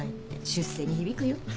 出世に響くよ。